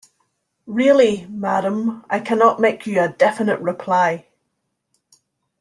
Really, madam, I cannot make you a definite reply.